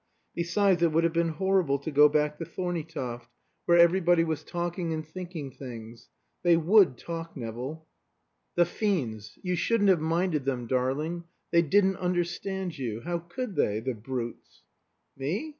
Besides, it would have been horrible to go back to Thorneytoft, where everybody was talking and thinking things. They would talk, Nevill." "The fiends! You shouldn't have minded them, darling. They didn't understand you. How could they? The brutes." "Me?